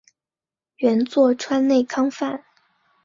原作川内康范。